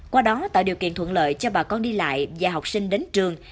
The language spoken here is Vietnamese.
qua đó tạo điều kiện thuận lợi cho bà con đi lại và học sinh đến trường